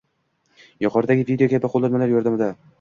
– yuqoridagi video kabi qo‘llanmalar yordamida